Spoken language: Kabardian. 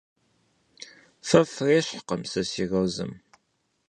Фэ фрещхькъым сэ си розэм.